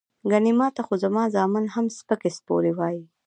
ګني ماته خو زما زامن هم سپکې سپورې وائي" ـ